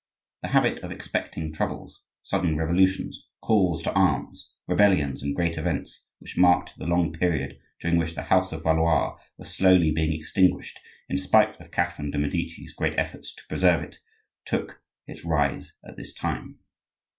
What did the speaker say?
The habit of expecting troubles, sudden revolutions, calls to arms, rebellions, and great events, which marked the long period during which the house of Valois was slowly being extinguished in spite of Catherine de' Medici's great efforts to preserve it, took its rise at this time.